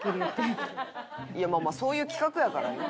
いやまあまあそういう企画やからね。